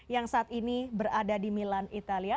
yang saat ini berada di milan italia